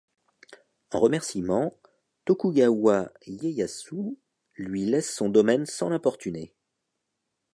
En remerciement, Tokugawa Ieyasu lui laisse son domaine sans l'importuner.